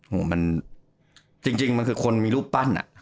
โอ้โหมันจริงมันคือคนมีรูปปั้นอ่ะ